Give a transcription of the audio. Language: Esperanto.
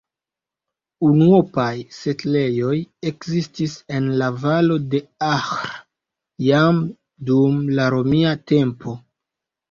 Unuopaj setlejoj ekzistis en la valo de Ahr jam dum la romia tempo.